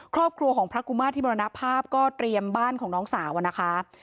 ครอบครัวของพระกุมาตรที่มรณภาพก็เตรียมบ้านของน้องสาวอะนะคะ